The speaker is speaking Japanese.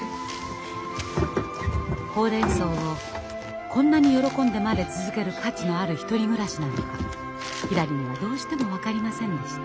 ほうれんそうをこんなに喜んでまで続ける価値のある１人暮らしなのかひらりにはどうしても分かりませんでした。